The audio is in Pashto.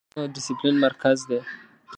ښوونځی د نظم او دسپلین مرکز دی.